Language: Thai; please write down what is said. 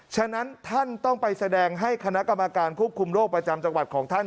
ฉะนั้นท่านต้องไปแสดงให้คณะกรรมการควบคุมโรคประจำจังหวัดของท่าน